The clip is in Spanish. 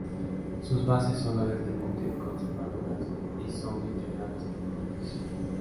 Sus bases son abiertamente conservadoras y son integradas por jóvenes.